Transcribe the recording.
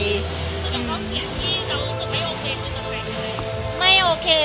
แล้วก็เขาเขียนที่เรารู้สึกไม่โอเคขึ้นอะไร